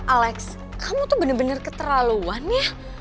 alex kamu tuh bener bener keterlaluan ya